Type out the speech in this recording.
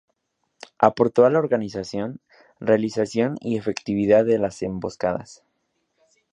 Aportó a la organización, realización y efectividad de las emboscadas.